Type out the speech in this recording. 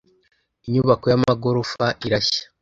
Inyubako yamagorofa irashya.